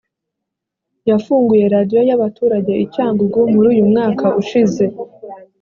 yafunguye radiyo y abaturage i cyangugu muri uyu mwaka ushize